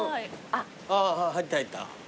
あ入った入った。